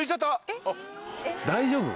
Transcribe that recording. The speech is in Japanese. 大丈夫？